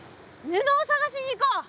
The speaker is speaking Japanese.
布を探しに行こう！